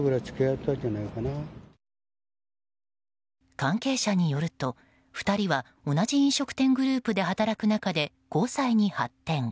関係者によると、２人は同じ飲食店グループで働く中で交際に発展。